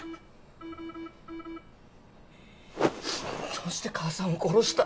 どうして母さんを殺した？